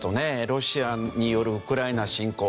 ロシアによるウクライナ侵攻